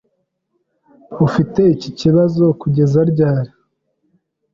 Ufite iki kibazo kugeza ryari?